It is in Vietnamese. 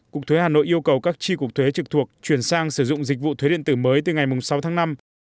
cục thuế hà nội yêu cầu các tri cục thuế trực thuộc chuyển sang sử dụng dịch vụ thuế điện tử mới từ ngày sáu tháng năm